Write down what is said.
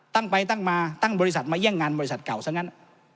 ตั้งไปตั้งมาตั้งบริษัทมาแย่งงานบริษัทเก่าซะงั้น